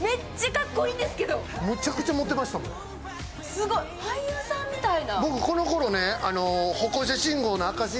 すご、俳優さんみたいな。